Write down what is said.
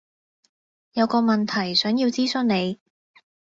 有個問題想要諮詢你